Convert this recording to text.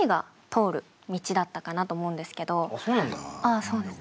そうですね。